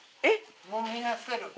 えっ⁉